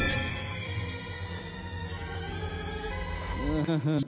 フフフ。